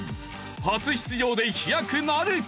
初出場で飛躍なるか！？